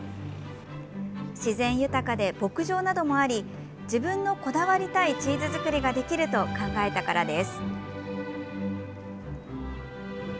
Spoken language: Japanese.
自然豊かで牧場などもあり自分のこだわりたいチーズ作りができると考えたからです。